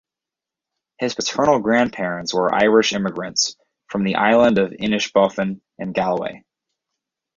His paternal grandparents were Irish immigrants, from the island of Inishbofin in Galway.